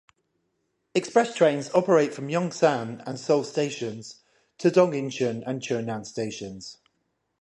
Express trains operate from Yongsan and Seoul Stations to Dongincheon and Cheonan stations.